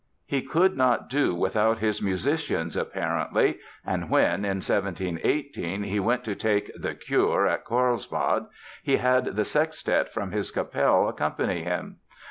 He could not do without his musicians apparently and, when, in 1718, he went to take the "cure" at Carlsbad, he had a sextet from his Kapelle accompany him.